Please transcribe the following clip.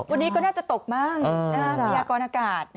วันนี้ก็น่าจะตกบ้างพยากรอากาศ